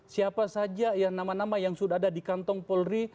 siapa saja ya nama nama yang sudah ada di kantong polri